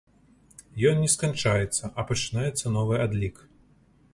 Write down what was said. Ён не сканчаецца, а пачынаецца новы адлік.